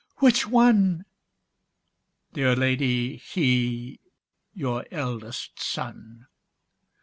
"Which one?" "Dear lady, he, your eldest son."